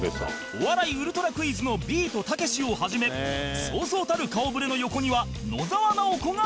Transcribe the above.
『お笑いウルトラクイズ』のビートたけしをはじめそうそうたる顔ぶれの横には野沢直子がいた